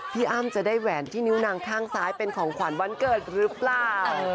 อ้ำจะได้แหวนที่นิ้วนางข้างซ้ายเป็นของขวัญวันเกิดหรือเปล่า